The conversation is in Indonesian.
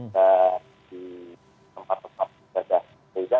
dan di tempat tempat yang tidak beda